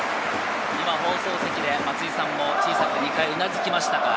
放送席で松井さんも小さく２回うなずきました。